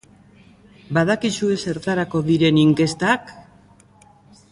Badakizue zertarako diren inkestak?